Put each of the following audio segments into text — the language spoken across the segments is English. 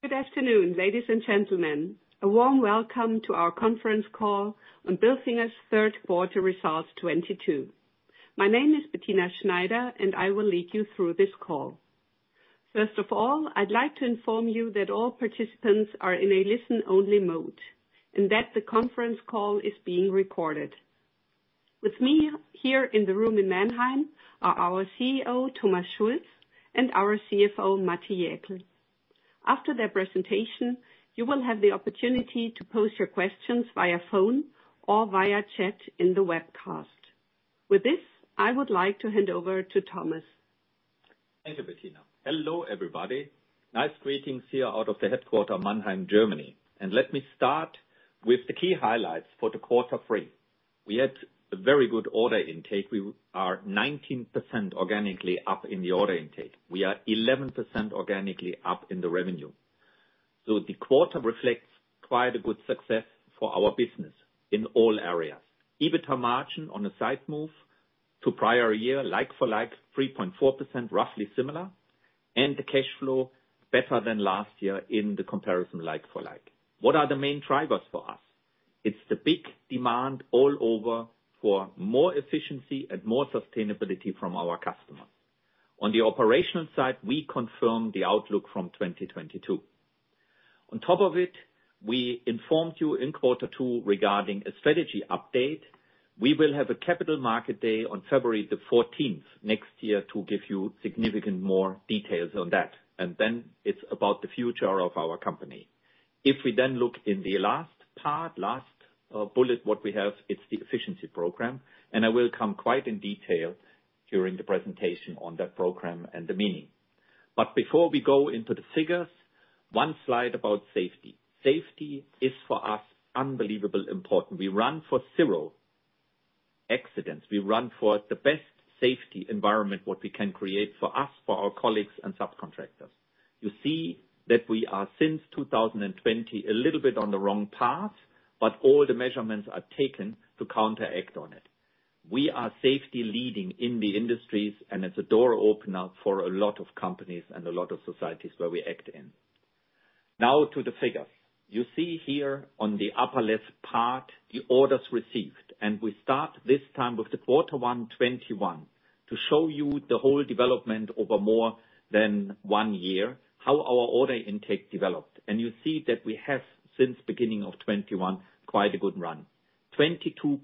Good afternoon, ladies and gentlemen. A warm welcome to our conference call on Bilfinger's third quarter results 2022. My name is Bettina Schneider, and I will lead you through this call. First of all, I'd like to inform you that all participants are in a listen-only mode, and that the conference call is being recorded. With me here in the room in Mannheim are our CEO, Thomas Schulz, and our CFO, Matti Jäkel. After their presentation, you will have the opportunity to pose your questions via phone or via chat in the webcast. With this, I would like to hand over to Thomas. Thank you, Bettina. Hello, everybody. Nice greetings here out of the headquarters Mannheim, Germany. Let me start with the key highlights for quarter three. We had a very good order intake. We are 19% organically up in the order intake. We are 11% organically up in the revenue. The quarter reflects quite a good success for our business in all areas. EBITDA margin on a slight move to prior year, like for like, 3.4%, roughly similar, and the cash flow better than last year in the comparison like for like. What are the main drivers for us? It's the big demand all over for more efficiency and more sustainability from our customers. On the operational side, we confirm the outlook from 2022. On top of it, we informed you in quarter two regarding a strategy update. We will have a Capital Markets Day on February the fourteenth next year to give you significant more details on that, and then it's about the future of our company. If we then look in the last bullet, what we have, it's the efficiency program, and I will come quite in detail during the presentation on that program and the meaning. Before we go into the figures, one slide about safety. Safety is, for us, unbelievably important. We run for zero accidents. We run for the best safety environment what we can create for us, for our colleagues and subcontractors. You see that we are, since 2020, a little bit on the wrong path, but all the measures are taken to counteract it. We are safety leading in the industries, and it's a door opener for a lot of companies and a lot of societies where we act in. Now to the figures. You see here on the upper left part the orders received. We start this time with quarter one 2021 to show you the whole development over more than one year, how our order intake developed. You see that we have, since beginning of 2021, quite a good run. 22%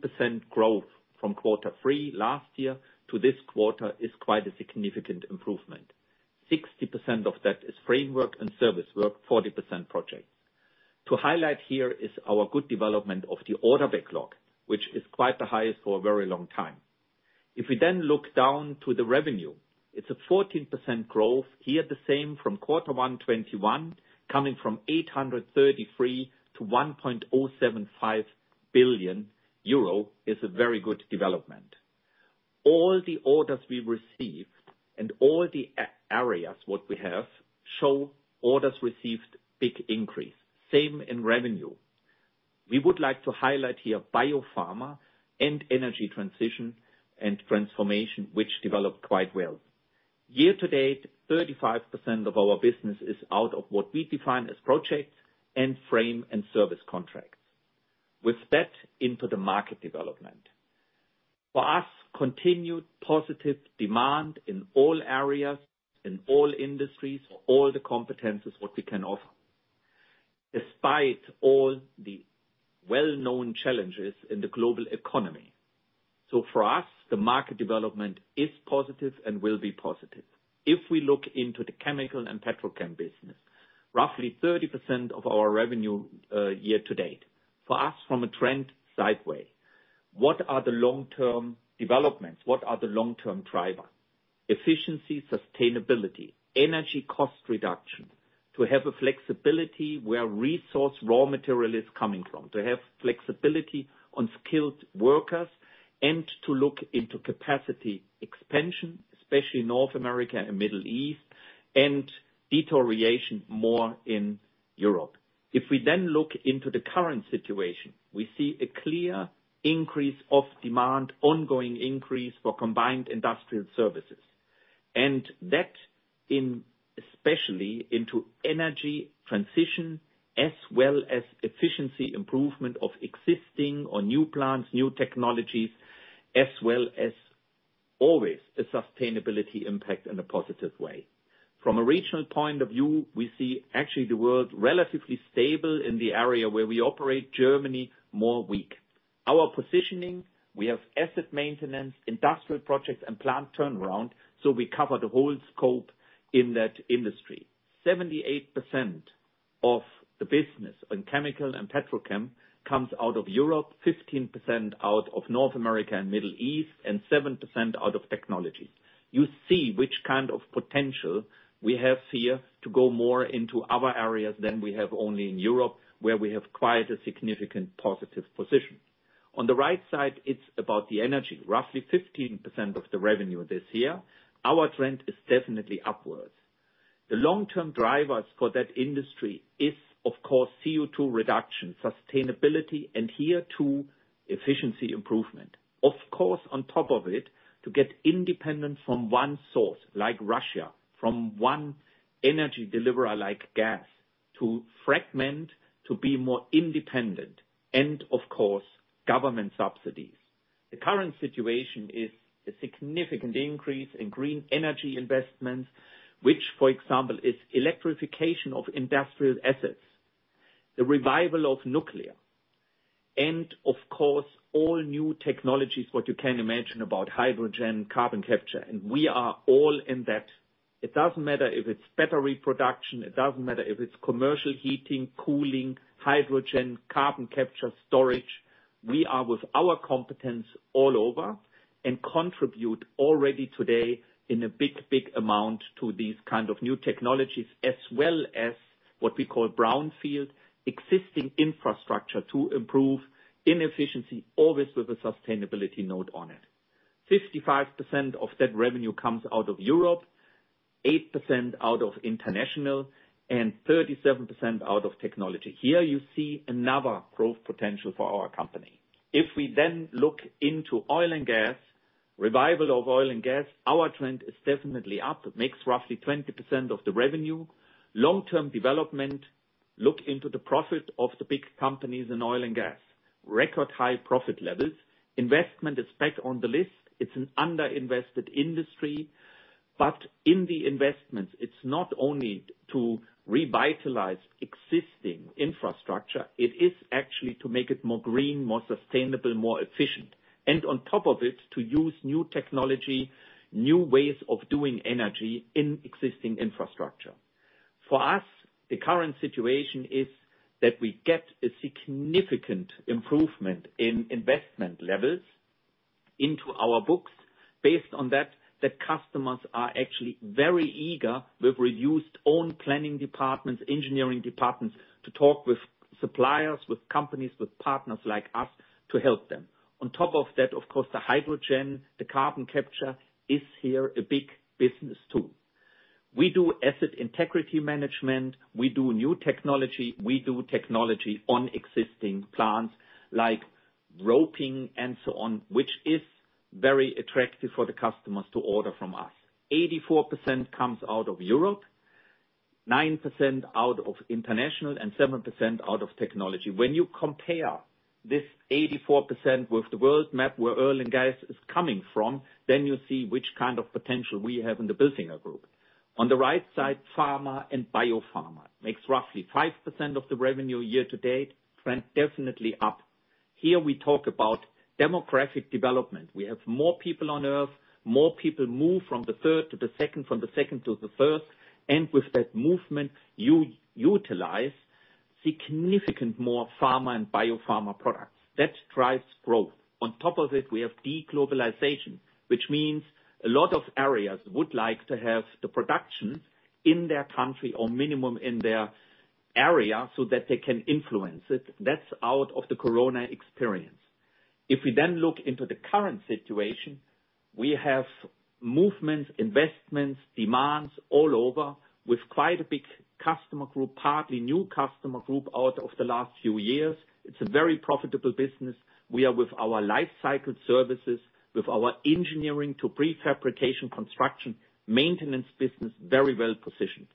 growth from quarter three last year to this quarter is quite a significant improvement. 60% of that is framework and service work, 40% projects. To highlight here is our good development of the order backlog, which is quite the highest for a very long time. If we then look down to the revenue, it's a 14% growth. Here, the same from quarter one 2021, coming from 833 million to 1.075 billion euro is a very good development. All the orders we received and all the areas what we have show orders received big increase. Same in revenue. We would like to highlight here biopharma and energy transition and transformation, which developed quite well. Year to date, 35% of our business is out of what we define as projects and frame and service contracts. With that into the market development. For us, continued positive demand in all areas, in all industries, for all the competencies what we can offer, despite all the well-known challenges in the global economy. For us, the market development is positive and will be positive. If we look into the chemical and petrochemical business, roughly 30% of our revenue, year to date. For us, from a trend, sideways. What are the long-term developments? What are the long-term drivers? Efficiency, sustainability, energy cost reduction, to have a flexibility where resource raw material is coming from, to have flexibility on skilled workers and to look into capacity expansion, especially North America and Middle East, and deterioration more in Europe. If we then look into the current situation, we see a clear increase of demand, ongoing increase for combined industrial services, and that in, especially into energy transition, as well as efficiency improvement of existing or new plants, new technologies, as well as always a sustainability impact in a positive way. From a regional point of view, we see actually the world relatively stable in the area where we operate, Germany, more weak. Our positioning, we have asset maintenance, industrial projects, and plant turnaround, so we cover the whole scope in that industry. 78% of the business in chemical and petrochem comes out of Europe, 15% out of North America and Middle East, and 7% out of technology. You see which kind of potential we have here to go more into other areas than we have only in Europe, where we have quite a significant positive position. On the right side, it's about the energy. Roughly 15% of the revenue this year. Our trend is definitely upwards. The long-term drivers for that industry is, of course, CO2 reduction, sustainability, and here, too, efficiency improvement. Of course, on top of it, to get independent from one source like Russia, from one energy deliverer like gas. To fragment, to be more independent and of course, government subsidies. The current situation is a significant increase in green energy investments, which, for example, is electrification of industrial assets, the revival of nuclear and of course, all new technologies, what you can imagine about hydrogen, carbon capture, and we are all in that. It doesn't matter if it's battery production, it doesn't matter if it's commercial heating, cooling, hydrogen, carbon capture storage. We are with our competence all over and contribute already today in a big, big amount to these kind of new technologies, as well as what we call brownfield, existing infrastructure to improve inefficiency, always with a sustainability note on it. 55% of that revenue comes out of Europe, 8% out of international, and 37% out of technology. Here you see another growth potential for our company. If we then look into oil and gas, revival of oil and gas, our trend is definitely up. It makes roughly 20% of the revenue. Long-term development. Look into the profit of the big companies in oil and gas. Record high profit levels. Investment is back on the list. It's an under-invested industry, but in the investments, it's not only to revitalize existing infrastructure, it is actually to make it more green, more sustainable, more efficient, and on top of it, to use new technology, new ways of doing energy in existing infrastructure. For us, the current situation is that we get a significant improvement in investment levels into our books. Based on that, the customers are actually very eager. We've reduced own planning departments, engineering departments to talk with suppliers, with companies, with partners like us to help them. On top of that, of course, the hydrogen, the carbon capture is here a big business too. We do asset integrity management. We do new technology. We do technology on existing plants like revamping and so on, which is very attractive for the customers to order from us. 84% comes out of Europe, 9% out of international, and 7% out of technology. When you compare this 84% with the world map where oil and gas is coming from, then you see which kind of potential we have in the Bilfinger Group. On the right side, pharma and biopharma makes roughly 5% of the revenue year to date. Trend definitely up. Here we talk about demographic development. We have more people on Earth. More people move from the third to the second, from the second to the first. With that movement, you utilize significant more pharma and biopharma products. That drives growth. On top of it, we have de-globalization, which means a lot of areas would like to have the production in their country or minimum in their area so that they can influence it. That's out of the corona experience. If we then look into the current situation, we have movements, investments, demands all over with quite a big customer group, partly new customer group out of the last few years. It's a very profitable business. We are with our life cycle services, with our engineering to prefabrication construction, maintenance business, very well-positioned.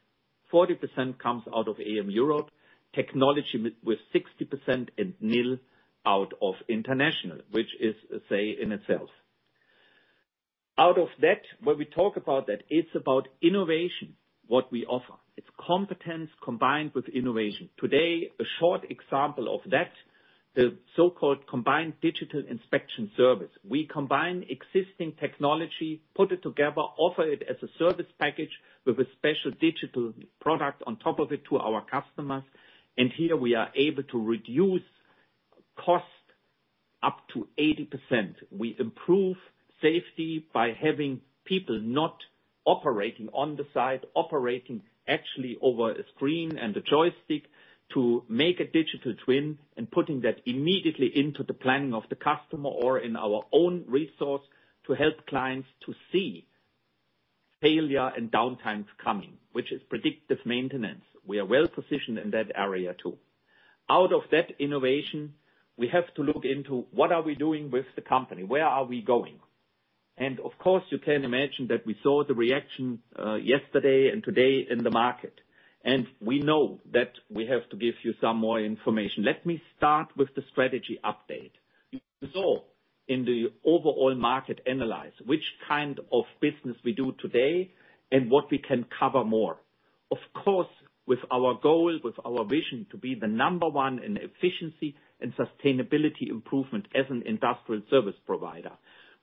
40% comes out of E&M Europe. Technology with 60% and nil out of international, which is a sign in itself. Out of that, when we talk about that, it's about innovation, what we offer. It's competence combined with innovation. Today, a short example of that, the so-called combined digital inspection service. We combine existing technology, put it together, offer it as a service package with a special digital product on top of it to our customers, and here we are able to reduce cost up to 80%. We improve safety by having people not operating on the site, operating actually over a screen and a joystick to make a digital twin, and putting that immediately into the planning of the customer or in our own resource to help clients to see failure and downtimes coming, which is predictive maintenance. We are well-positioned in that area too. Out of that innovation, we have to look into what are we doing with the company, where are we going? Of course, you can imagine that we saw the reaction yesterday and today in the market, and we know that we have to give you some more information. Let me start with the strategy update. You saw in the overall market analysis which kind of business we do today and what we can cover more. Of course, with our goal, with our vision to be the number one in efficiency and sustainability improvement as an industrial service provider,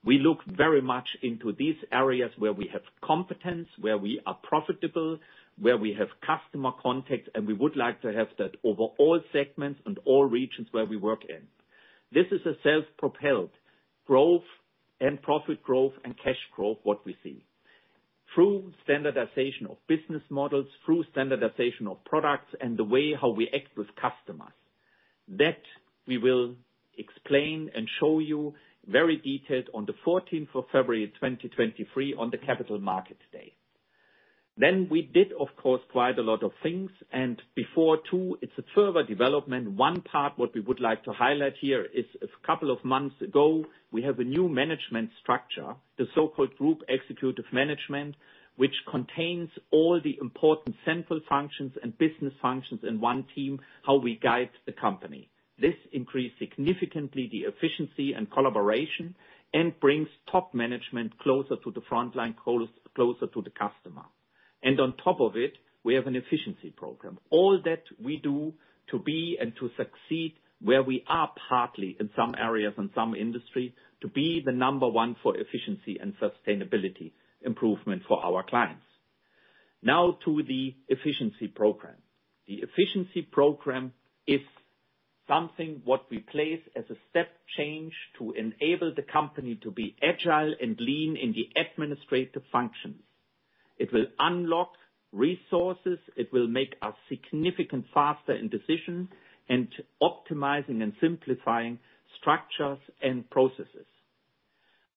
we look very much into these areas where we have competence, where we are profitable, where we have customer contacts, and we would like to have that over all segments and all regions where we work in. This is a self-propelled growth and profit growth and cash growth, what we see. Through standardization of business models, through standardization of products and the way how we act with customers. That we will explain and show you very detailed on the fourteenth of February 2023 on the Capital Markets Day. We did, of course, quite a lot of things. Before too, it's a further development. One part, what we would like to highlight here is a couple of months ago, we have a new management structure, the so-called Group Executive Management, which contains all the important central functions and business functions in one team, how we guide the company. This increased significantly the efficiency and collaboration, and brings top management closer to the front line, closer to the customer. On top of it, we have an efficiency program. All that we do to be and to succeed where we are partly in some areas and some industry to be the number one for efficiency and sustainability improvement for our clients. Now to the efficiency program. The efficiency program is something what we place as a step change to enable the company to be agile and lean in the administrative functions. It will unlock resources, it will make us significantly faster in decision, and optimizing and simplifying structures and processes.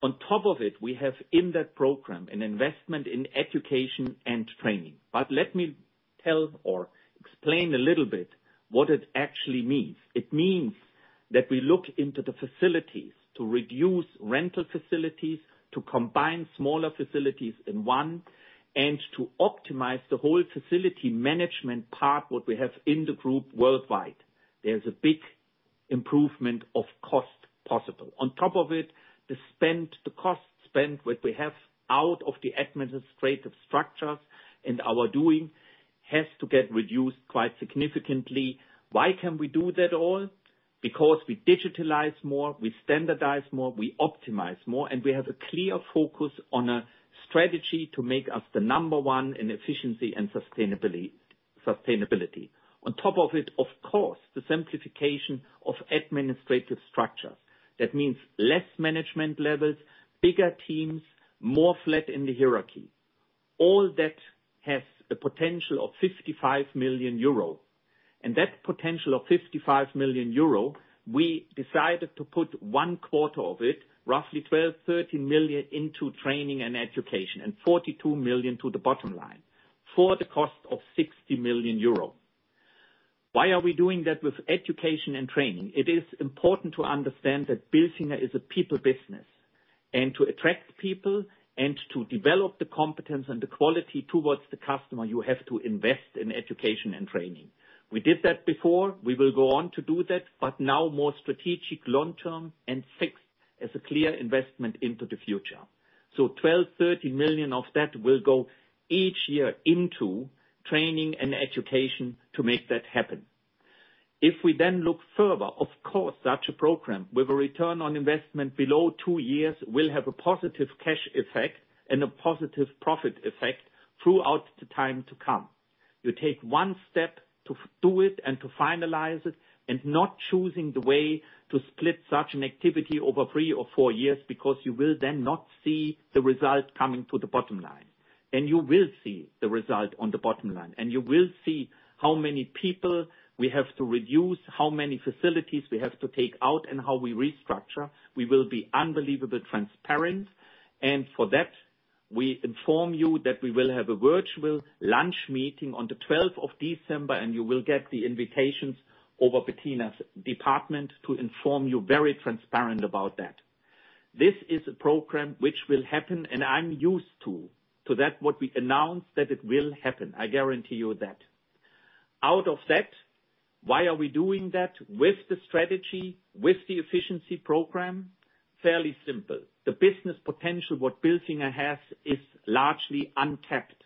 On top of it, we have in that program an investment in education and training. Let me tell or explain a little bit what it actually means. It means that we look into the facilities to reduce rental facilities, to combine smaller facilities in one, and to optimize the whole facility management part, what we have in the group worldwide. There's a big improvement of cost possible. On top of it, the spend, the cost spend, what we have out of the administrative structures and our doing has to get reduced quite significantly. Why can we do that all? Because we digitalize more, we standardize more, we optimize more, and we have a clear focus on a strategy to make us the number one in efficiency and sustainability. On top of it, of course, the simplification of administrative structures. That means less management levels, bigger teams, more flat in the hierarchy. All that has a potential of 55 million euro. That potential of 55 million euro, we decided to put 1/4 of it, roughly 12 million, 13 million into training and education, and 42 million to the bottom line for the cost of 60 million euro. Why are we doing that with education and training? It is important to understand that Bilfinger is a people business, and to attract people and to develop the competence and the quality towards the customer, you have to invest in education and training. We did that before. We will go on to do that, but now more strategic long-term and fixed as a clear investment into the future. 12 million, 13 million of that will go each year into training and education to make that happen. If we then look further, of course, such a program with a return on investment below two years will have a positive cash effect and a positive profit effect throughout the time to come. You take one step to do it and to finalize it, and not choosing the way to split such an activity over three or four years because you will then not see the result coming to the bottom line. You will see the result on the bottom line, and you will see how many people we have to reduce, how many facilities we have to take out, and how we restructure. We will be unbelievably transparent, and for that, we inform you that we will have a virtual lunch meeting on the twelfth of December, and you will get the invitations over Bettina's department to inform you very transparent about that. This is a program which will happen, and I'm used to that what we announce that it will happen. I guarantee you that. Out of that, why are we doing that with the strategy, with the efficiency program? Fairly simple. The business potential what Bilfinger has is largely untapped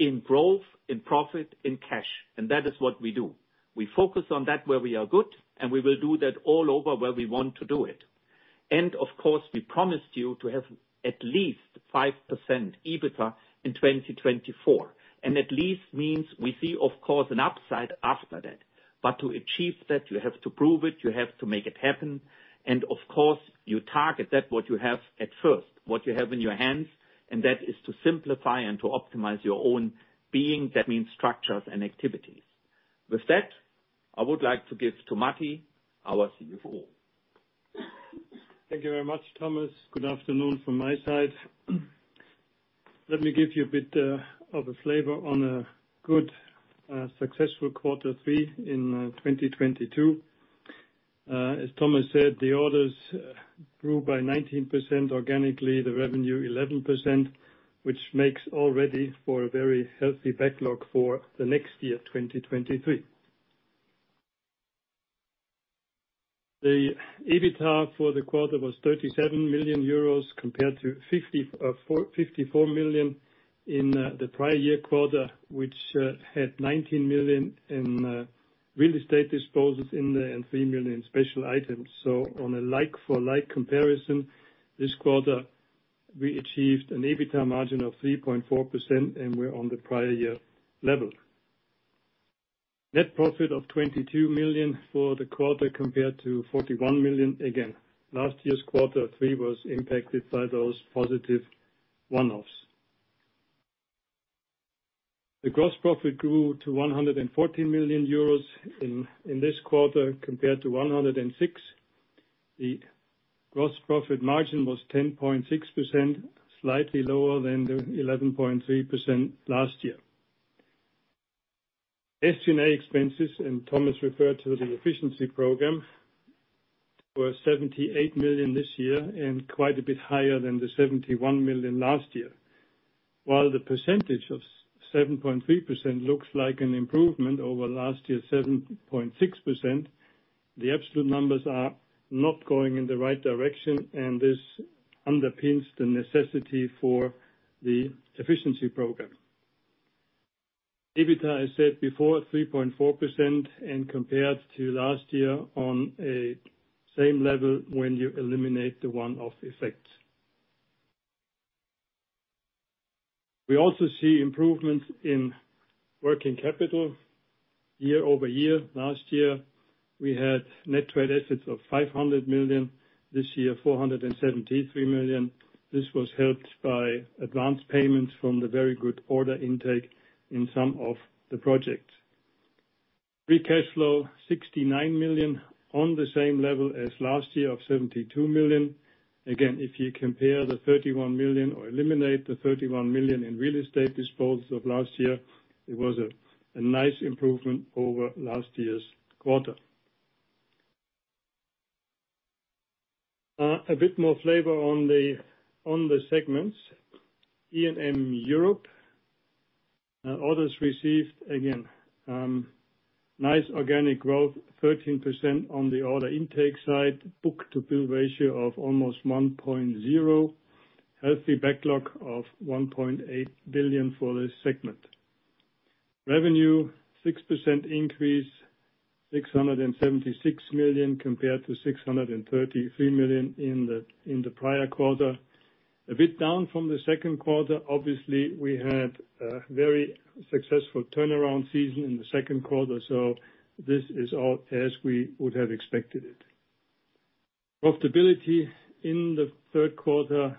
in growth, in profit, in cash. That is what we do. We focus on that where we are good, and we will do that all over where we want to do it. Of course, we promised you to have at least 5% EBITDA in 2024. That means we see, of course, an upside after that. To achieve that, you have to prove it, you have to make it happen. Of course, you target what you have at first, what you have in your hands, and that is to simplify and to optimize your own business. That means structures and activities. With that, I would like to give to Matti, our CFO. Thank you very much, Thomas. Good afternoon from my side. Let me give you a bit of a flavor on a good successful quarter three in 2022. As Thomas said, the orders grew by 19% organically, the revenue 11%, which makes already for a very healthy backlog for the next year, 2023. The EBITDA for the quarter was 37 million euros compared to 54 million in the prior year quarter, which had 19 million in real estate disposals in there and 3 million special items. On a like-for-like comparison, this quarter we achieved an EBITDA margin of 3.4%, and we're on the prior year level. Net profit of 22 million for the quarter compared to 41 million. Again, last year's quarter three was impacted by those positive one-offs. The gross profit grew to 114 million euros in this quarter compared to 106 million. The gross profit margin was 10.6%, slightly lower than the 11.3% last year. SG&A expenses, and Thomas referred to the efficiency program, were 78 million this year and quite a bit higher than the 71 million last year. While the percentage of 7.3% looks like an improvement over last year's 7.6%, the absolute numbers are not going in the right direction, and this underpins the necessity for the efficiency program. EBITDA, I said before, 3.4% and compared to last year on a same level when you eliminate the one-off effects. We also see improvements in working capital year-over-year. Last year, we had net trade assets of 500 million, this year 473 million. This was helped by advanced payments from the very good order intake in some of the projects. Free cash flow 69 million on the same level as last year of 72 million. Again, if you compare the 31 million or eliminate the 31 million in real estate disposal of last year, it was a nice improvement over last year's quarter. A bit more flavor on the segments. E&M Europe, orders received again, nice organic growth, 13% on the order intake side. Book-to-bill ratio of almost 1.0. Healthy backlog of 1.8 billion for this segment. Revenue 6% increase, 676 million compared to 633 million in the prior quarter. A bit down from the second quarter. Obviously, we had a very successful turnaround season in the second quarter, so this is all as we would have expected it. Profitability in the third quarter,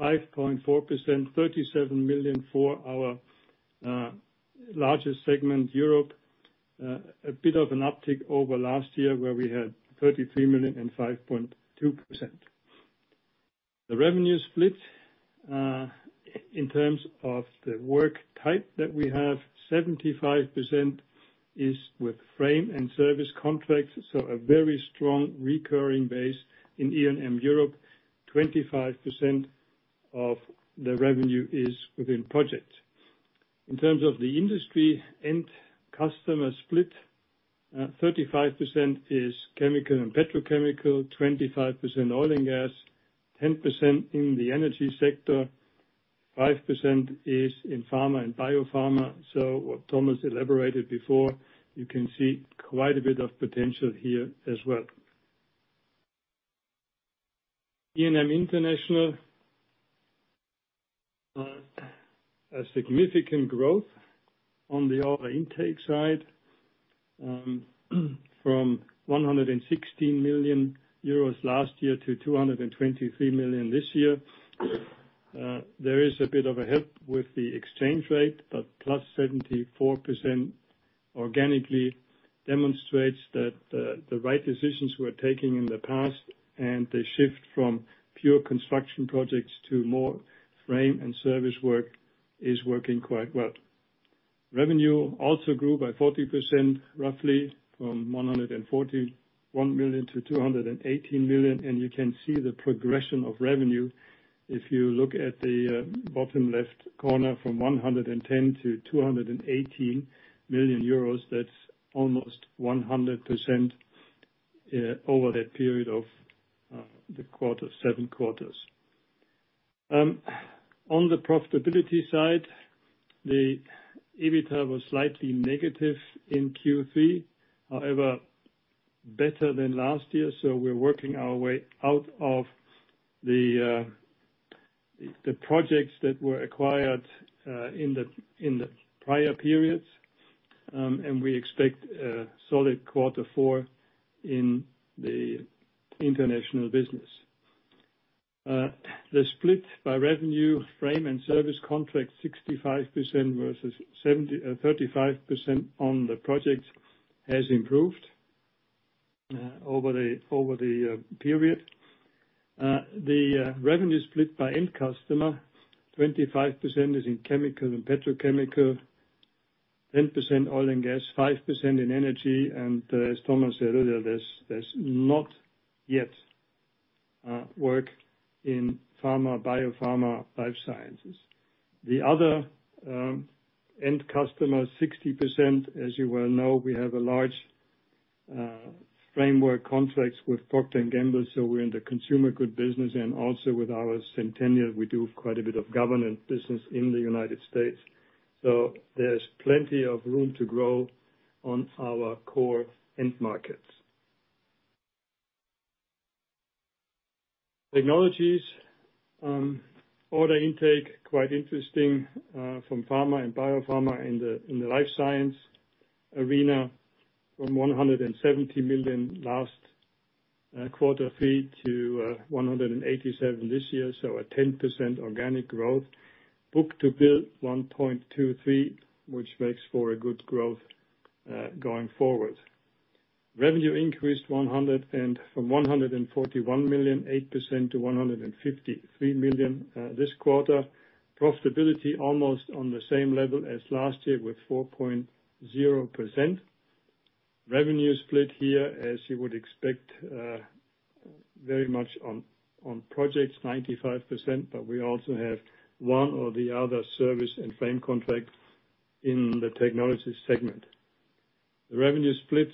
5.4%, 37 million for our largest segment, Europe. A bit of an uptick over last year, where we had 33 million and 5.2%. The revenue split, in terms of the work type that we have, 75% is with frame and service contracts. A very strong recurring base in E&M Europe. 25% of the revenue is within projects. In terms of the industry end customer split, 35% is chemical and petrochemical, 25% oil and gas, 10% in the energy sector, 5% is in pharma and biopharma. What Thomas elaborated before, you can see quite a bit of potential here as well. E&M International. A significant growth on the order intake side, from 160 million euros last year to 223 million this year. There is a bit of a help with the exchange rate, but +74% organically demonstrates that the right decisions were taken in the past and the shift from pure construction projects to more frame and service work is working quite well. Revenue also grew by 40%, roughly from 141 million to 218 million. You can see the progression of revenue if you look at the bottom left corner from 110 million to 218 million euros. That's almost 100% over that period of the quarter seven quarters. On the profitability side, the EBITDA was slightly negative in Q3. However, better than last year. We're working our way out of the projects that were acquired in the prior periods. We expect a solid quarter four in the international business. The split by revenue frame and service contract 65% versus 35% on the project has improved over the period. The revenue split by end customer, 25% is in chemical and petrochemical, 10% oil and gas, 5% in energy, and as Thomas said earlier, there's not yet work in pharma, biopharma, life sciences. The other end customer 60%. As you well know, we have a large framework contracts with Procter & Gamble, so we're in the consumer goods business and also with our Centennial, we do quite a bit of government business in the United States. There's plenty of room to grow on our core end markets. Technologies order intake quite interesting from pharma and biopharma in the life sciences arena from 170 million last quarter to 187 million this year. A 10% organic growth. Book-to-bill 1.23, which makes for a good growth going forward. Revenue increased from 141 million, 8% to 153 million this quarter. Profitability almost on the same level as last year, with 4.0%. Revenue split here, as you would expect, very much on projects, 95%, but we also have one or the other service and frame contracts in the technology segment. The revenue split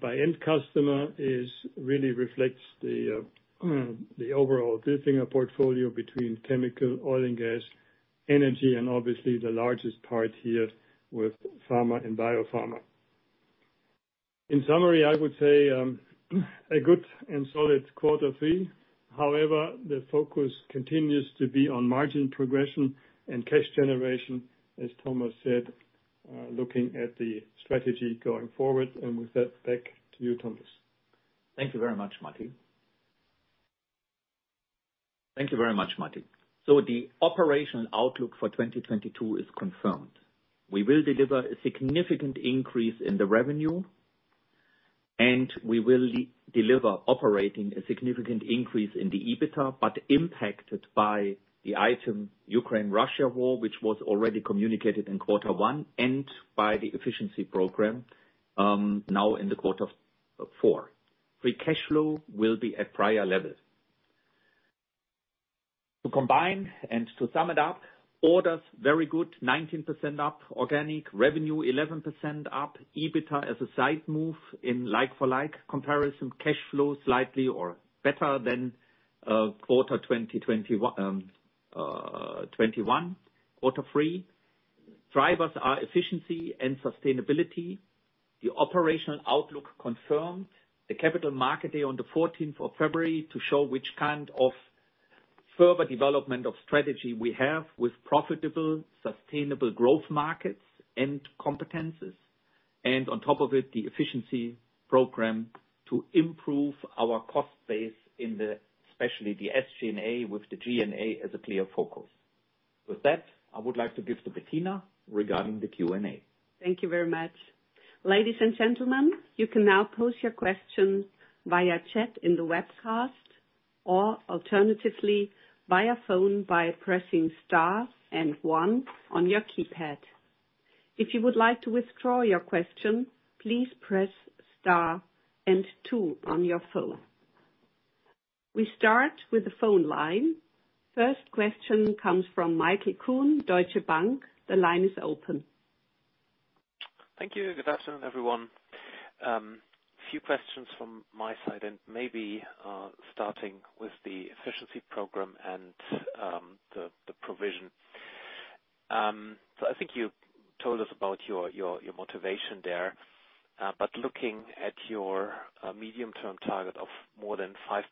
by end customer is really reflects the overall Bilfinger portfolio between chemical, oil and gas, energy, and obviously the largest part here with pharma and biopharma. In summary, I would say a good and solid quarter three. However, the focus continues to be on margin progression and cash generation, as Thomas said, looking at the strategy going forward. With that, back to you, Thomas. Thank you very much, Matti. The operational outlook for 2022 is confirmed. We will deliver a significant increase in the revenue, and we will deliver operating a significant increase in the EBITDA, but impacted by the item Ukraine-Russia war, which was already communicated in quarter one and by the efficiency program, now in the quarter four. Free cash flow will be at prior levels. To combine and to sum it up, orders very good, 19% up organic. Revenue 11% up. EBITDA as a side move in like-for-like comparison. Cash flow slightly or better than quarter 2021 quarter three. Drivers are efficiency and sustainability. The operational outlook confirmed. The Capital Markets Day on the fourteenth of February to show which kind of further development of strategy we have with profitable, sustainable growth markets and competencies. On top of it, the efficiency program to improve our cost base in the, especially the SG&A with the G&A as a clear focus. With that, I would like to give to Bettina regarding the Q&A. Thank you very much. Ladies and gentlemen, you can now pose your questions via chat in the webcast or alternatively via phone by pressing star and one on your keypad. If you would like to withdraw your question, please press star and two on your phone. We start with the phone line. First question comes from Michael Kuhn, Deutsche Bank. The line is open. Thank you. Good afternoon, everyone. A few questions from my side and maybe starting with the efficiency program and the provision. I think you told us about your motivation there. But looking at your medium-term target of more than 5%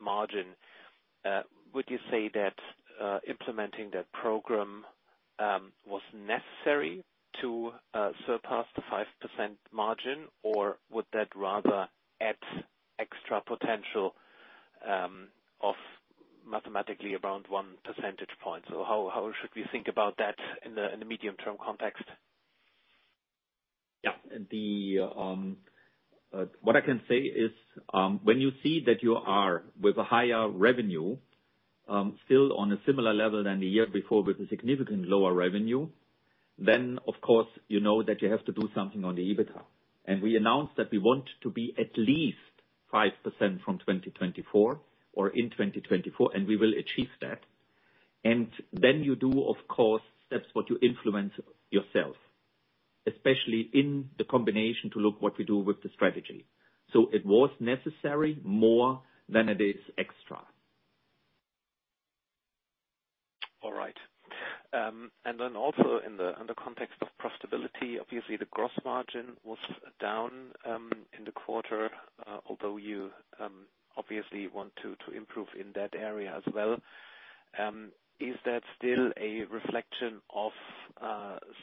margin, would you say that implementing that program was necessary to surpass the 5% margin, or would that rather add extra potential of mathematically around one percentage point? How should we think about that in the medium-term context? Yeah. What I can say is, when you see that you are with a higher revenue, still on a similar level than the year before with a significantly lower revenue, then of course you know that you have to do something on the EBITDA. We announced that we want to be at least 5% from 2024 or in 2024, and we will achieve that. Then you do, of course, that's what you influence yourself, especially in the combination to look what we do with the strategy. It was necessary more than it is extra. All right. Also in the context of profitability, obviously the gross margin was down in the quarter, although you obviously want to improve in that area as well. Is that still a reflection of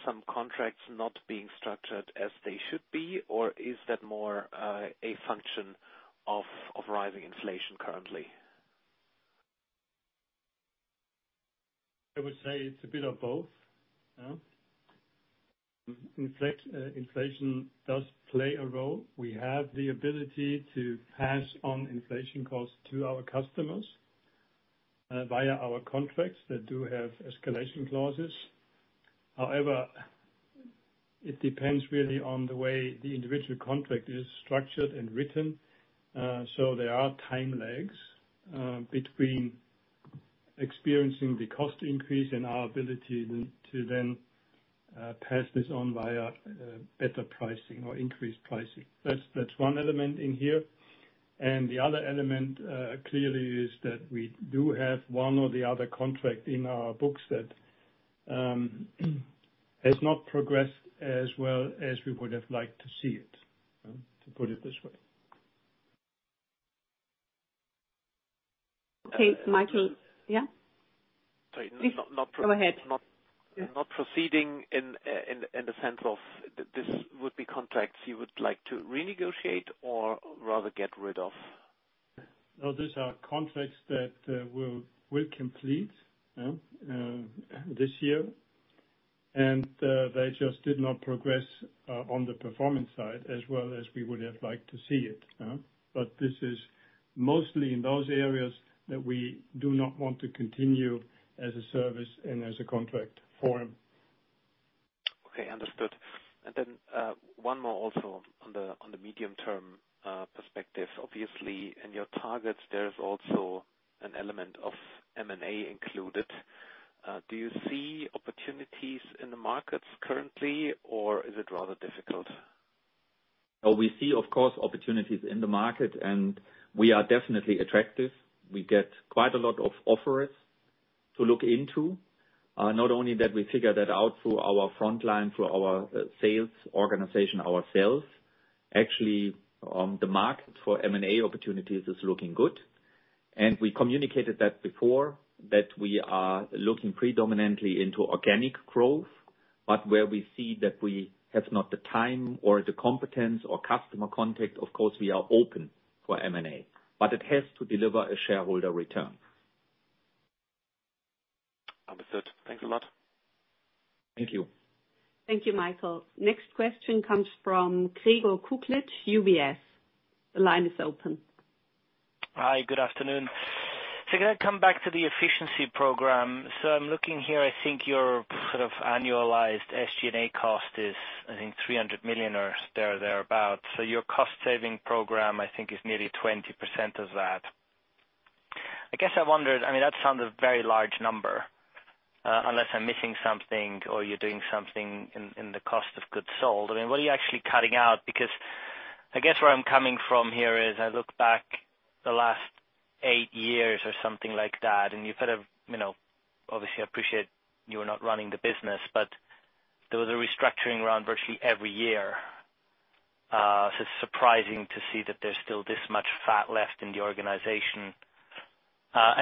some contracts not being structured as they should be, or is that more a function of rising inflation currently? I would say it's a bit of both. Inflation does play a role. We have the ability to pass on inflation costs to our customers via our contracts that do have escalation clauses. However, it depends really on the way the individual contract is structured and written. There are time lags between experiencing the cost increase and our ability to then pass this on via better pricing or increased pricing. That's one element in here. The other element clearly is that we do have one or the other contract in our books that has not progressed as well as we would have liked to see it, to put it this way. Okay, Michael. Yeah. Sorry. Please, go ahead. Not proceeding in the sense of this would be contracts you would like to renegotiate or rather get rid of? No, these are contracts that we'll complete, yeah, this year. They just did not progress on the performance side as well as we would have liked to see it. This is mostly in those areas that we do not want to continue as a service and as a contract forum. Okay, understood. One more also on the medium term perspective. Obviously, in your targets, there is also an element of M&A included. Do you see opportunities in the markets currently, or is it rather difficult? We see, of course, opportunities in the market, and we are definitely attractive. We get quite a lot of offers to look into. Not only that, we figure that out through our front line, through our sales organization, our sales. Actually, the market for M&A opportunities is looking good. We communicated that before, that we are looking predominantly into organic growth, but where we see that we have not the time or the competence or customer contact, of course, we are open for M&A. It has to deliver a shareholder return. Understood. Thank you much. Thank you. Thank you, Michael. Next question comes from Gregor Kuglitsch, UBS. The line is open. Hi, good afternoon. Can I come back to the efficiency program? I'm looking here, I think your sort of annualized SG&A cost is, I think, 300 million or thereabout. Your cost saving program, I think, is nearly 20% of that. I guess I wondered, I mean, that sounds a very large number, unless I'm missing something or you're doing something in the cost of goods sold. I mean, what are you actually cutting out? Because I guess where I'm coming from here is I look back the last eight years or something like that, and you sort of, you know, obviously, I appreciate you're not running the business. There was a restructuring round virtually every year, so it's surprising to see that there's still this much fat left in the organization.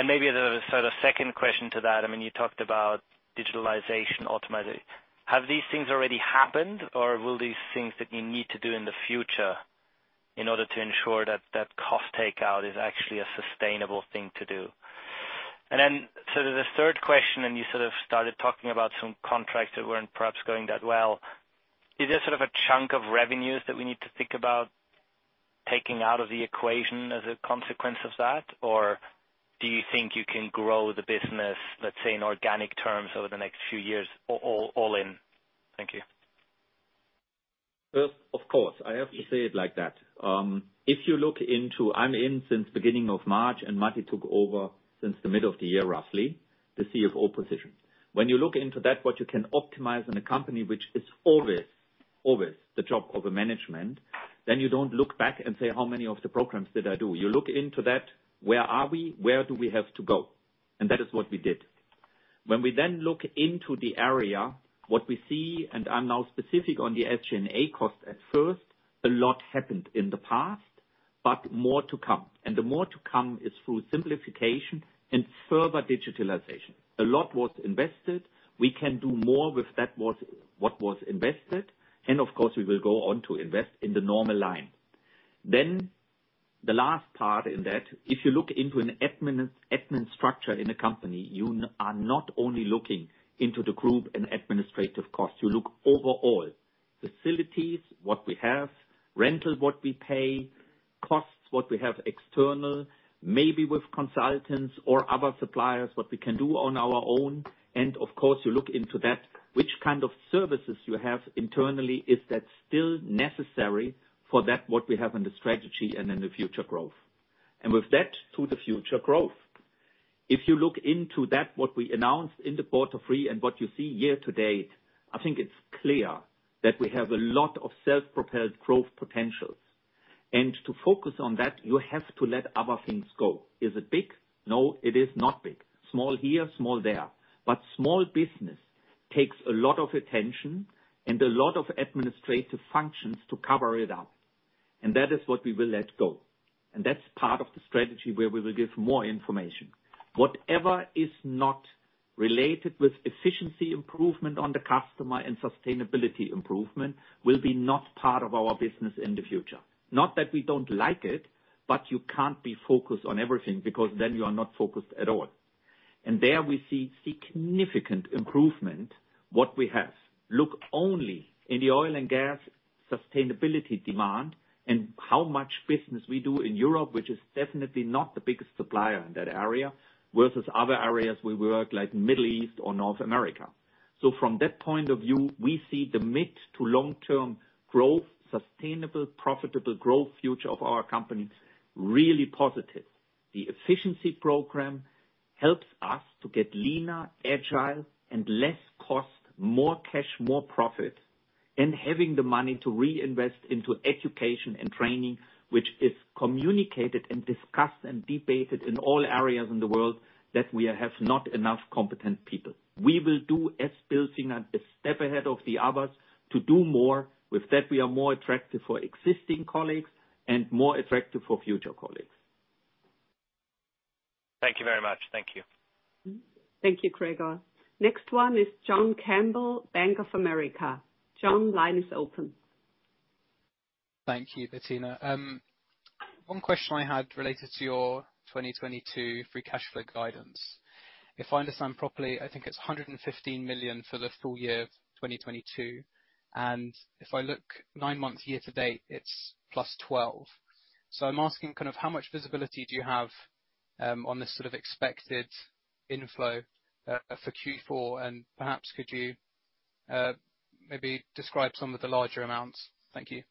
Maybe the sort of second question to that, I mean, you talked about digitalization, automation. Have these things already happened or will these things that you need to do in the future in order to ensure that that cost takeout is actually a sustainable thing to do? The third question, and you sort of started talking about some contracts that weren't perhaps going that well. Is there sort of a chunk of revenues that we need to think about taking out of the equation as a consequence of that? Or do you think you can grow the business, let's say, in organic terms over the next few years, all in? Thank you. First, of course, I have to say it like that. If you look into it, I'm in since the beginning of March, and Matti took over since the middle of the year, roughly, the CFO position. When you look into that, what you can optimize in a company which is always the job of a management, then you don't look back and say, "How many of the programs did I do?" You look into that, where are we? Where do we have to go? That is what we did. When we then look into the area, what we see, and I'm now specific on the SG&A cost at first, a lot happened in the past, but more to come. The more to come is through simplification and further digitalization. A lot was invested. We can do more with what was invested, and of course, we will go on to invest in the normal line. The last part in that, if you look into an administrative structure in a company, you are not only looking into the group and administrative costs. You look overall. Facilities, what we have. Rental, what we pay. Costs, what we have external. Maybe with consultants or other suppliers, what we can do on our own. Of course, you look into the kind of services you have internally. Is that still necessary for what we have in the strategy and in the future growth? With that, to the future growth. If you look into that, what we announced in the quarter three and what you see year to date, I think it's clear that we have a lot of self-propelled growth potentials. To focus on that, you have to let other things go. Is it big? No, it is not big. Small here, small there. Small business takes a lot of attention and a lot of administrative functions to cover it up. That is what we will let go. That's part of the strategy where we will give more information. Whatever is not related with efficiency improvement on the customer and sustainability improvement will be not part of our business in the future. Not that we don't like it, but you can't be focused on everything because then you are not focused at all. There we see significant improvement what we have. Look only in the oil and gas sustainable demand and how much business we do in Europe, which is definitely not the biggest supplier in that area, versus other areas we work, like Middle East or North America. From that point of view, we see the mid to long-term growth, sustainable, profitable growth future of our company really positive. The efficiency program helps us to get leaner, agile and less cost, more cash, more profit, and having the money to reinvest into education and training, which is communicated and discussed and debated in all areas in the world that we have not enough competent people. We will do as Bilfinger a step ahead of the others to do more. With that, we are more attractive for existing colleagues and more attractive for future colleagues. Thank you very much. Thank you. Thank you, Gregor. Next one is John Campbell, Bank of America. John, line is open. Thank you, Bettina. One question I had related to your 2022 free cash flow guidance. If I understand properly, I think it's 115 million for the full year of 2022, and if I look nine months year-to-date, it's +12 million. I'm asking kind of how much visibility do you have on this sort of expected inflow for Q4? Perhaps could you maybe describe some of the larger amounts? Thank you.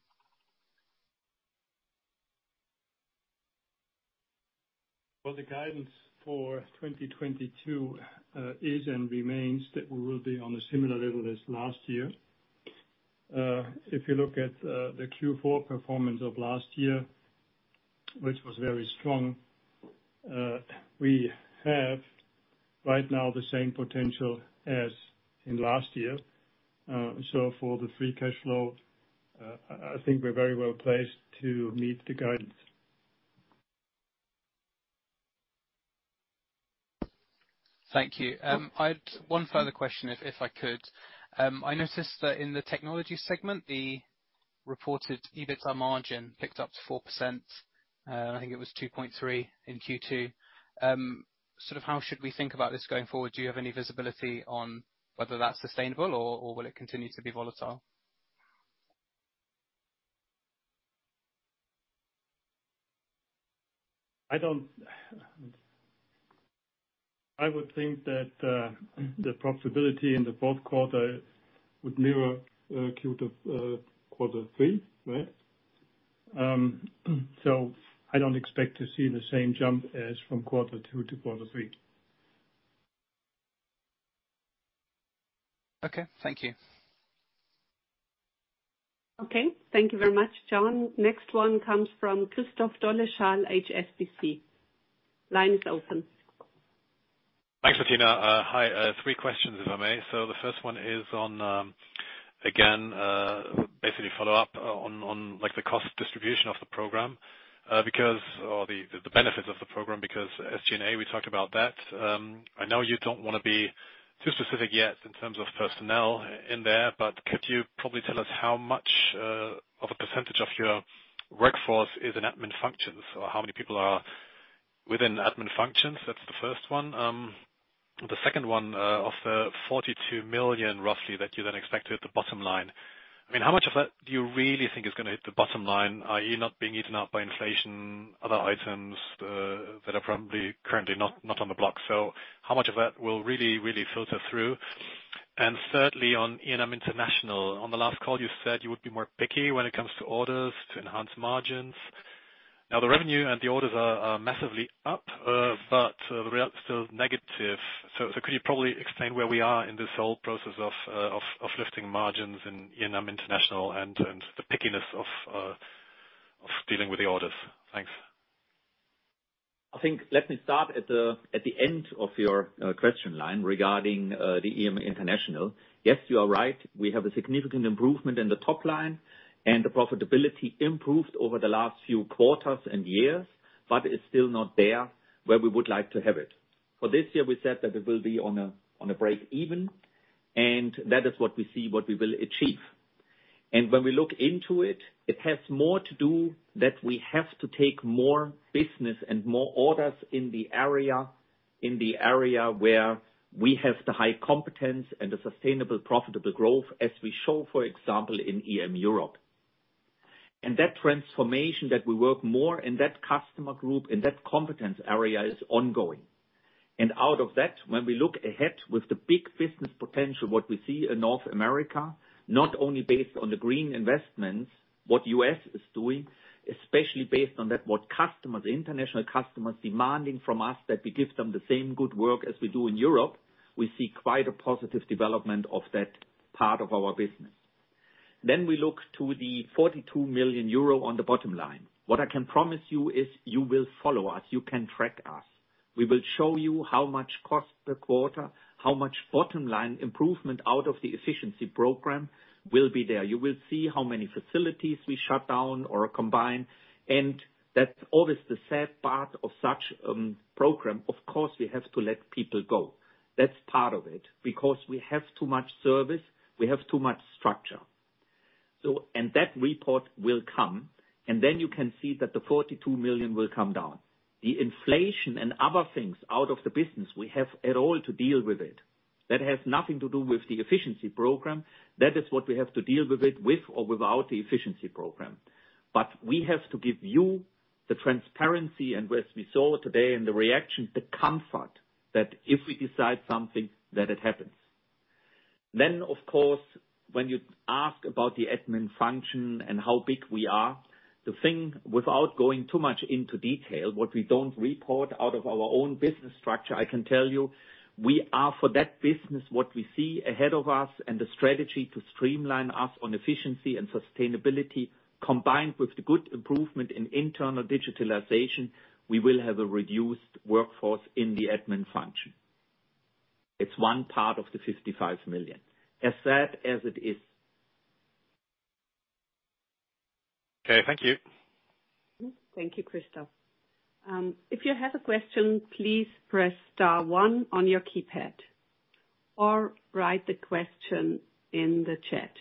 Well, the guidance for 2022 is and remains that we will be on a similar level as last year. If you look at the Q4 performance of last year, which was very strong, we have right now the same potential as in last year. For the free cash flow, I think we're very well placed to meet the guidance. Thank you. I have one further question if I could. I noticed that in the technology segment, the reported EBITDA margin picked up to 4%. I think it was 2.3% in Q2. Sort of how should we think about this going forward? Do you have any visibility on whether that's sustainable or will it continue to be volatile? I would think that the profitability in the fourth quarter would mirror Q3, quarter three, right? I don't expect to see the same jump as from quarter two to quarter three. Okay. Thank you. Okay. Thank you very much, John. Next one comes from Christoph Dolleschal, HSBC. Line is open. Thanks, Bettina. Hi, three questions if I may. The first one is on, again, basically follow up on, like, the cost distribution of the program, because of the benefits of the program, because SG&A, we talked about that. I know you don't wanna be too specific yet in terms of personnel in there, but could you probably tell us how much of a percentage of your workforce is in admin functions, or how many people are within admin functions? That's the first one. The second one, of the 42 million roughly that you then expect to hit the bottom line, I mean, how much of that do you really think is gonna hit the bottom line, i.e., not being eaten up by inflation, other items, that are probably currently not on the block? How much of that will really, really filter through? Thirdly, on E&M International, on the last call, you said you would be more picky when it comes to orders to enhance margins. Now, the revenue and the orders are massively up, but the result is still negative. Could you probably explain where we are in this whole process of lifting margins in E&M International and the pickiness of dealing with the orders? Thanks. I think, let me start at the end of your question line regarding the E&M International. Yes, you are right, we have a significant improvement in the top line, and the profitability improved over the last few quarters and years, but it's still not there where we would like to have it. For this year, we said that it will be on a break even, and that is what we see, what we will achieve. When we look into it has more to do that we have to take more business and more orders in the area where we have the high competence and the sustainable profitable growth, as we show, for example, in E&M Europe. That transformation that we work more in that customer group, in that competence area is ongoing. Out of that, when we look ahead with the big business potential, what we see in North America, not only based on the green investments, what US is doing, especially based on that, what customers, international customers demanding from us, that we give them the same good work as we do in Europe, we see quite a positive development of that part of our business. We look to the 42 million euro on the bottom line. What I can promise you is you will follow us. You can track us. We will show you how much cost per quarter, how much bottom-line improvement out of the efficiency program will be there. You will see how many facilities we shut down or combine, and that's always the sad part of such program. Of course, we have to let people go. That's part of it. Because we have too much service, we have too much structure. That report will come, and then you can see that the 42 million will come down. The inflation and other things out of the business, we have it all to deal with it. That has nothing to do with the efficiency program. That is what we have to deal with it, with or without the efficiency program. We have to give you the transparency, and as we saw today in the reaction, the comfort that if we decide something, that it happens. Of course, when you ask about the admin function and how big we are, the thing, without going too much into detail, what we don't report out of our own business structure, I can tell you for that business what we see ahead of us and the strategy to streamline our efficiency and sustainability, combined with the good improvement in internal digitalization, we will have a reduced workforce in the admin function. It's one part of the 55 million. As sad as it is. Okay, thank you. Thank you, Christoph. If you have a question, please press star one on your keypad or write the question in the chat.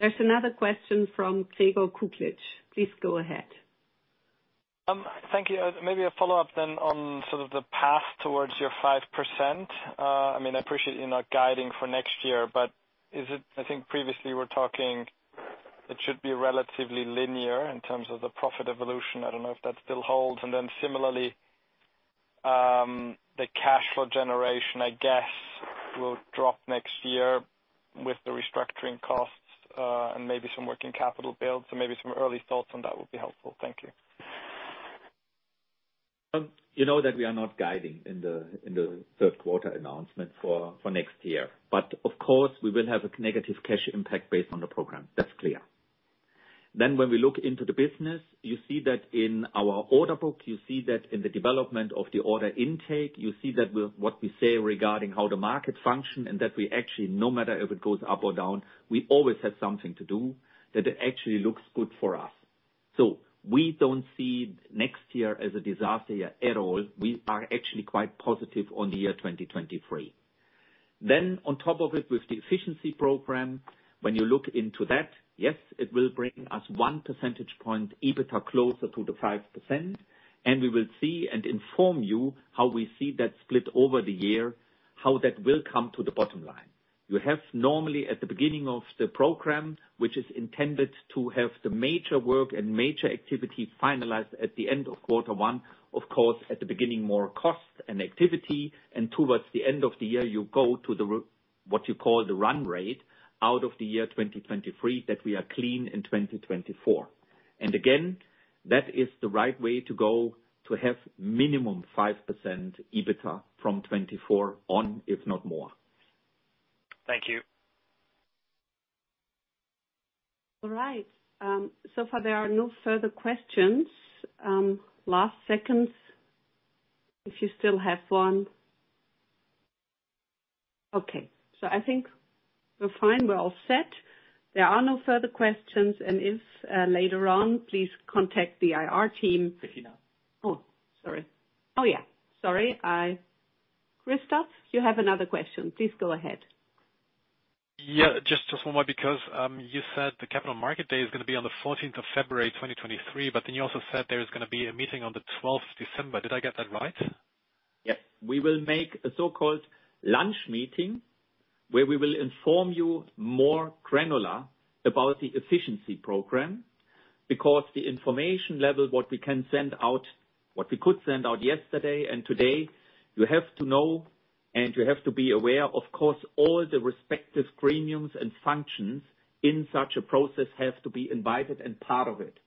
There's another question from Gregor Kuglitsch. Please go ahead. Thank you. Maybe a follow-up then on sort of the path towards your 5%. I mean, I appreciate you're not guiding for next year, but is it? I think previously we're talking, it should be relatively linear in terms of the profit evolution. I don't know if that still holds. Similarly, the cash flow generation, I guess, will drop next year with the restructuring costs, and maybe some working capital build. Maybe some early thoughts on that would be helpful. Thank you. You know that we are not guiding in the third quarter announcement for next year. Of course, we will have a negative cash impact based on the program. That's clear. When we look into the business, you see that in our order book, you see that in the development of the order intake, you see that what we say regarding how the market function and that we actually, no matter if it goes up or down, we always have something to do that it actually looks good for us. We don't see next year as a disaster year at all. We are actually quite positive on the year 2023. On top of it, with the efficiency program, when you look into that, yes, it will bring us one percentage point EBITA closer to the 5%, and we will see and inform you how we see that split over the year, how that will come to the bottom line. You have normally at the beginning of the program, which is intended to have the major work and major activity finalized at the end of quarter one, of course, at the beginning, more cost and activity, and towards the end of the year, you go to what you call the run rate out of the year 2023, that we are clean in 2024. Again, that is the right way to go to have minimum 5% EBITA from 2024 on, if not more. Thank you. All right. So far there are no further questions. Last seconds if you still have one. Okay. I think we're fine. We're all set. There are no further questions and if later on, please contact the IR team. Christina. Sorry. Yeah. Sorry. Christoph, you have another question. Please go ahead. Yeah, just one more, because you said the Capital Markets Day is gonna be on the 14th of February, 2023, but then you also said there is gonna be a meeting on the 12th December. Did I get that right? Yep. We will make a so-called lunch meeting, where we will inform you more granular about the efficiency program because the information level, what we can send out, what we could send out yesterday and today, you have to know, and you have to be aware, of course, all the respective premiums and functions in such a process have to be invited and part of it.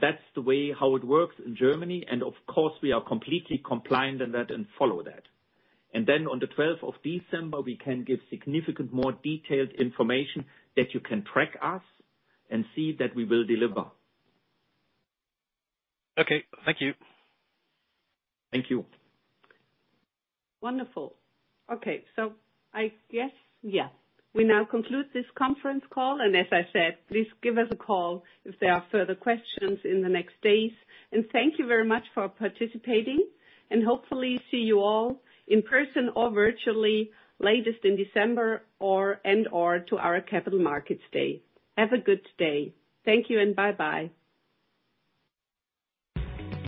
That's the way how it works in Germany. Of course, we are completely compliant in that and follow that. Then on the twelfth of December, we can give significant more detailed information that you can track us and see that we will deliver. Okay. Thank you. Thank you. Wonderful. Okay. I guess. Yeah, we now conclude this conference call, and as I said, please give us a call if there are further questions in the next days. Thank you very much for participating, and hopefully see you all in person or virtually latest in December or and/or to our Capital Markets Day. Have a good day. Thank you and bye-bye.